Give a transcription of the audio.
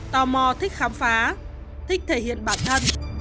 tò mò thích khám phá thích thể hiện bản thân